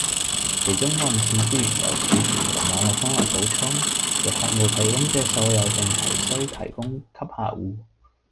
其中運算資源由儲存和網路功能補充，由服務提供者所有並隨需提供給客戶